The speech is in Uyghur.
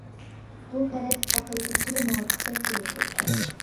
بۇ پەرەز ئەقىلگە خېلى مۇۋاپىقتەك كۆرۈنىدۇ.